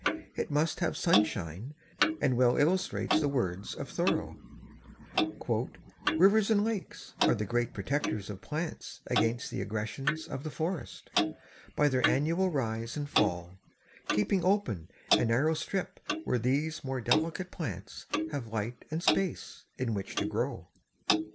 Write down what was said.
It must have sunshine and well illustrates the words of Thoreau: "Rivers and lakes are the great protectors of plants against the aggressions of the forest, by their annual rise and fall, keeping open a narrow strip where these more delicate plants have light and space in which to grow."